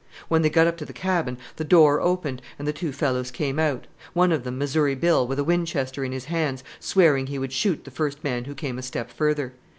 When they got up to the cabin the door opened and the two fellows came out; one of them, Missouri Bill, with a Winchester in his hands, swearing he would shoot the first man who came a step further.